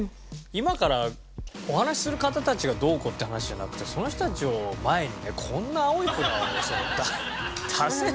今からお話しする方たちがどうこうって話じゃなくてその人たちを前にねこんな青い札を出せない。